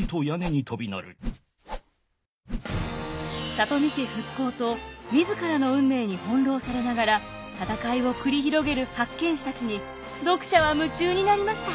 里見家復興と自らの運命に翻弄されながら戦いを繰り広げる八犬士たちに読者は夢中になりました。